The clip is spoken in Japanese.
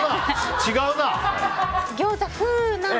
違うな。